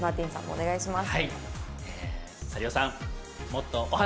お願いします！